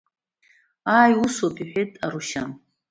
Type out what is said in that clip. Ааи, усоуп, — иҳәеит Арушьан.